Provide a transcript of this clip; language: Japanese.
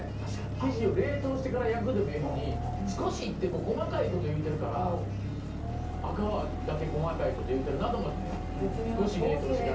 生地を冷凍してから焼くでもいいのに少しって細かいことを言うてるから赤だけ細かいこと言うてるなと思って。